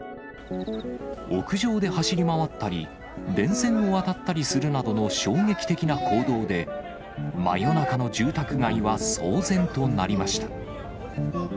屋上で走り回ったり、電線を渡ったりするなどの衝撃的な行動で、真夜中の住宅街は騒然となりました。